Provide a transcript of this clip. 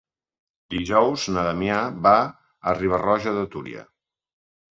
Dijous na Damià va a Riba-roja de Túria.